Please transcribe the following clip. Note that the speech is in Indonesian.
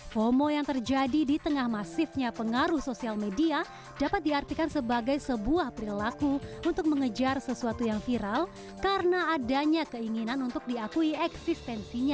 homo yang terjadi di tengah masifnya pengaruh sosial media dapat diartikan sebagai sebuah perilaku untuk mengejar sesuatu yang viral karena adanya keinginan untuk diakui eksistensinya